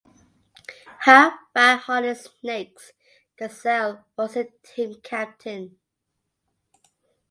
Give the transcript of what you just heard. Halfback Harlan "Snakes" Gazelle was the team captain.